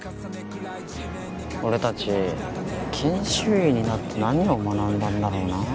俺たち研修医になって何を学んだんだろうな。